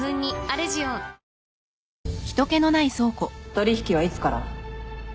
取引はいつから？